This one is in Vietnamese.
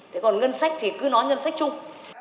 thế còn ngân sách thì cứ nói ngân sách chung